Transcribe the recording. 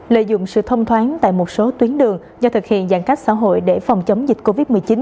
lợi dụng sự thông thoáng tại một số tuyến đường do thực hiện giãn cách xã hội để phòng chống dịch covid một mươi chín